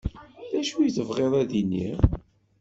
D acu i tebɣiḍ ad d-iniḍ.